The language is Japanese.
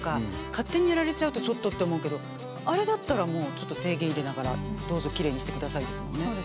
勝手にやられちゃうと「ちょっと」って思うけどあれだったら制限入れながらどうぞきれいにしてくださいですもんね。